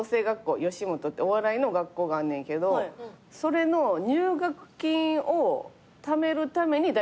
吉本ってお笑いの学校があんねんけどそれの入学金をためるために大工さんになった。